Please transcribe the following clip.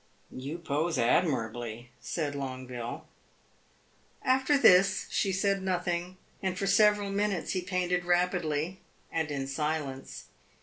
"You pose admirably," said Longueville. After this she said nothing, and for several minutes he painted rapidly and in silence.